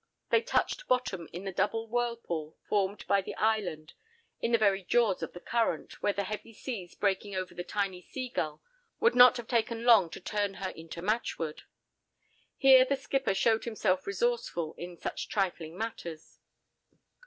They touched bottom in the double whirlpool formed by the island in the very jaws of the current, where the heavy seas breaking over the tiny Seagull would not have taken long to turn her into matchwood. Here the skipper showed himself resourceful in such trifling matters.